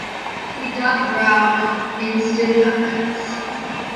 He dubbed Brown "Instant Offense".